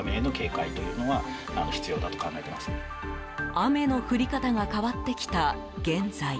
雨の降り方が変わってきた現在。